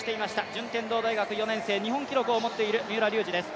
順天堂大学４年生、日本記録を持っている青木涼真です。